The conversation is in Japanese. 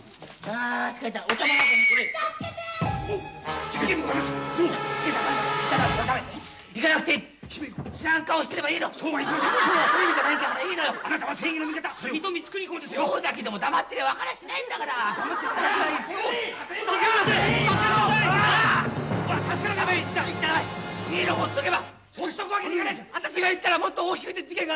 あたしが行ったらもっと大きく事件が。